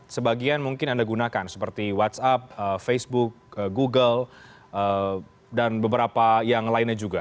sebagian mungkin anda gunakan seperti whatsapp facebook google dan beberapa yang lainnya juga